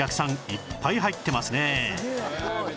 いっぱい入ってますね